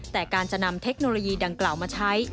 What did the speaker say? แต่การจะนำเทคโนโลยีดังกล่าวมาใช้